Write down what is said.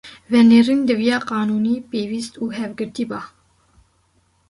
venêrîn diviya “qanûnî”, pêwîst û hevgirtî” ba;